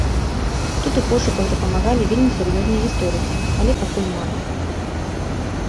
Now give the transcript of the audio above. Тут у пошуках дапамагалі вельмі сур'ёзныя гісторыкі, але пакуль марна.